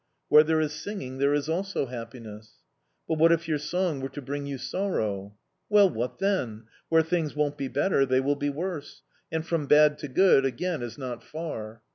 "Where there is singing there is also happiness." "But what if your song were to bring you sorrow?" "Well, what then? Where things won't be better, they will be worse; and from bad to good again is not far."